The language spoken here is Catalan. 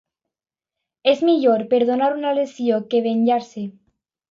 És millor perdonar una lesió que venjar-se.